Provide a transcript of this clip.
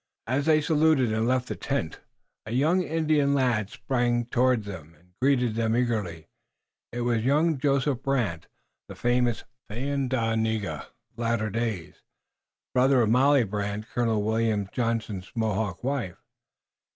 As they saluted and left the tent a young Indian lad sprang toward them and greeted them eagerly. It was young Joseph Brant, the famous Thayendanega of later days, the brother of Molly Brant, Colonel William Johnson's Mohawk wife.